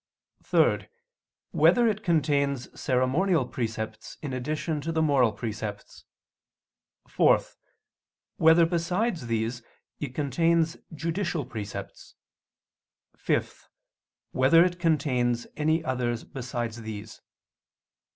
(3) Whether it contains ceremonial precepts in addition to the moral precepts? (4) Whether besides these it contains judicial precepts? (5) Whether it contains any others besides these?